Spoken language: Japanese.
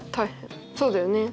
そうだよね。